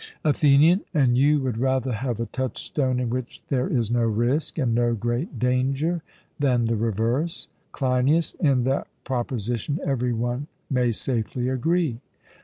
ATHENIAN: 'And you would rather have a touchstone in which there is no risk and no great danger than the reverse?' CLEINIAS: In that proposition every one may safely agree.